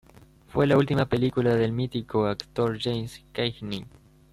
Fue la última película del mítico actor James Cagney.